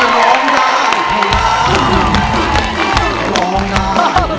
ร้องได้ร้องได้